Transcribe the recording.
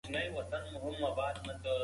اقتصاد د دولت او بازار اړیکه تحلیلوي.